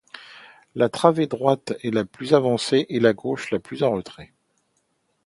La travée droite est la plus avancée et la gauche la plus en retrait.